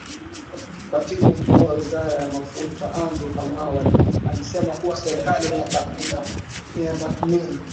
Katibu Mkuu wa Wizara ya Mafuta Andrew Kamau alisema kuwa serikali inatathmini